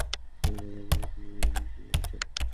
তুই একটা নর্দমার কীট, তাই না?